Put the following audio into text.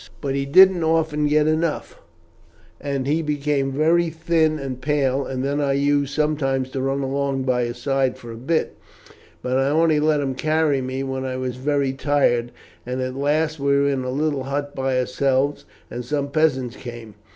But he didn't often get enough, and he became very thin and pale, and then I used sometimes to run along by his side for a bit, and I only let him carry me when I was very tired, and at last we were in a little hut by ourselves, and some peasants came.